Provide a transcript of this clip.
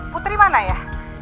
putri mana ya